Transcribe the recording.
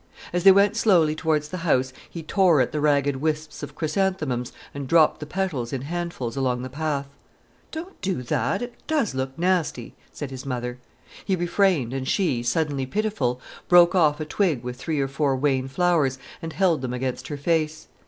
As they went slowly towards the house he tore at the ragged wisps of chrysanthemums and dropped the petals in handfuls along the path. "Don't do that—it does look nasty," said his mother. He refrained, and she, suddenly pitiful, broke off a twig with three or four wan flowers and held them against her face.